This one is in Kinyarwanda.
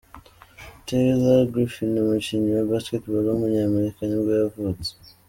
Taylor Griffin, umukinnyi wa basketball w’umunyamerika nibwo yavutse.